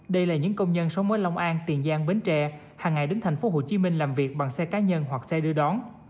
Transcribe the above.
đây là những công nhân sống ở long an tiền giang bến tre hàng ngày đến tp hcm làm việc bằng xe cá nhân hoặc xe đưa đón